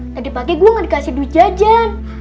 tadi pagi gue gak dikasih duit jajan